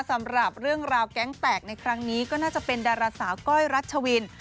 สำหรับเรื่องราวแก๊งแตกในครั้งนี้ก็น่าจะเป็นดาราสาวก้อยรัชวิน